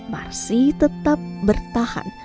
marsi tetap bertahan